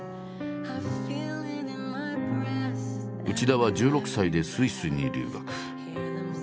内田は１６歳でスイスに留学。